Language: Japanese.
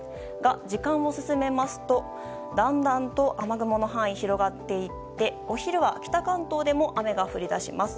時間を進めますと、だんだんと雨雲の範囲が広がっていってお昼は北関東でも雨が降り出します。